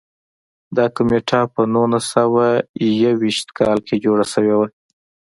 دا کمېټه په نولس سوه یو ویشت کال کې جوړه شوې وه.